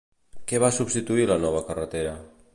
Què va substituir la nova carretera?